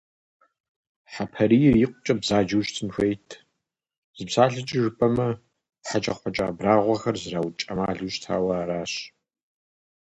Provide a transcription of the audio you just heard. Хьэпарийр икъукӀэ бзаджэу щытын хуейт, зы псалъэкӀэ жыпӀэмэ, хьэкӀэкхъуэкӀэ абрагъуэхэр зэраукӀ Ӏэмалу щытауэ аращ.